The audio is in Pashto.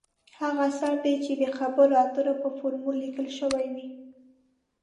هغه اثر دی چې د خبرو اترو په فورم لیکل شوې وي.